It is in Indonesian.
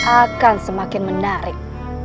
akan semakin menarik